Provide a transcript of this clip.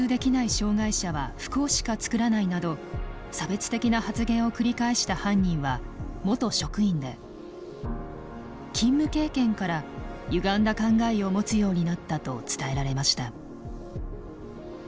差別的な発言を繰り返した犯人は元職員で勤務経験からゆがんだ考えを持つようになったと伝えられました。